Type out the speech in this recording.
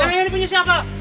hei ini punya siapa